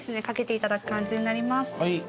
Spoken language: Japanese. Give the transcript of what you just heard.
掛けていただく感じになります。